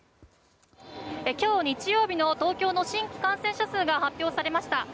今日、日曜日の東京の新規感染者数が発表されました。